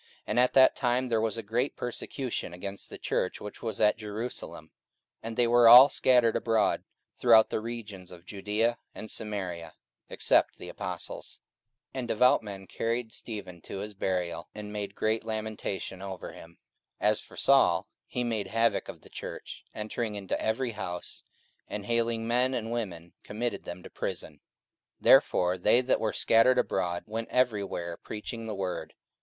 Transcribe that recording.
And at that time there was a great persecution against the church which was at Jerusalem; and they were all scattered abroad throughout the regions of Judaea and Samaria, except the apostles. 44:008:002 And devout men carried Stephen to his burial, and made great lamentation over him. 44:008:003 As for Saul, he made havock of the church, entering into every house, and haling men and women committed them to prison. 44:008:004 Therefore they that were scattered abroad went every where preaching the word.